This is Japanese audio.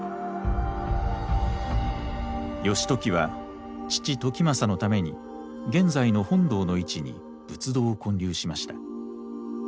義時は父時政のために現在の本堂の位置に仏堂を建立しました。